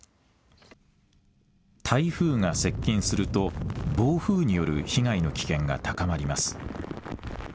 台風が接近すると、暴風による被害の危険が高まります。